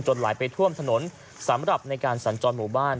ไหลไปท่วมถนนสำหรับในการสัญจรหมู่บ้าน